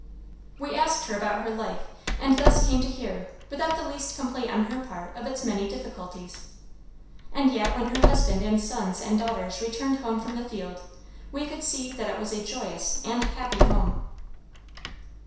We asked her about her life and thus came to hear, without the least complaint on her part, of its many difficulties. And yet when her husband and sons and daughters returned home from the field, we could see that it was a joyous and happy home.